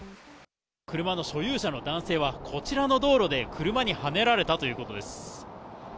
車の所有者の男性は、こちらの道路で車にはねられたということです。